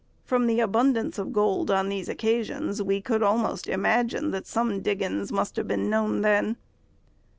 From the abundance of gold on these occasions, we could almost imagine that some "diggins" must have been known then.